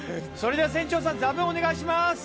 それでは船長さんザブンお願いします。